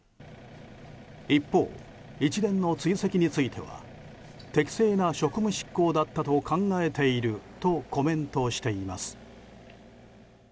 一方、一連の追跡については適正な職務執行だと考えているとコメントしています。